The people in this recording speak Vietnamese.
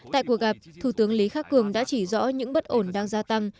tại cuộc gặp thủ tướng lý khắc cường đã chỉ rõ những bất ổn đang gia tăng